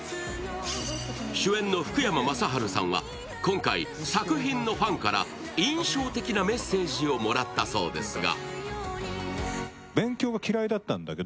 主演の福山雅治さんは、今回、作品のファンから印象的なメッセージをもらったそうですが。